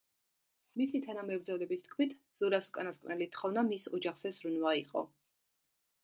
მისი თანამებრძოლების თქმით, ზურას უკანასკნელი თხოვნა მის ოჯახზე ზრუნვა იყო.